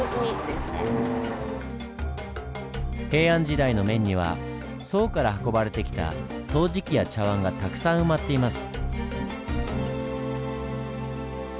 平安時代の面には宋から運ばれてきた陶磁器や茶碗がたくさん埋まっています。